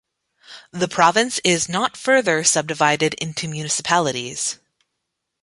The province is not further subdivided into municipalities.